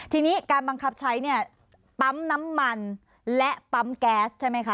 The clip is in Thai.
ทีนี้การบังคับใช้เนี่ยปั๊มน้ำมันและปั๊มแก๊สใช่ไหมคะ